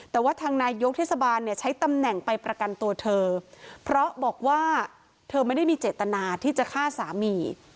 แต่ว่าทางนายกเทศบาลเนี่ยใช้ตำแหน่งไปประกันตัวเธอเพราะบอกว่าเธอไม่ได้มีเจตนาที่จะฆ่าสามี